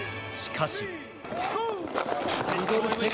しかし。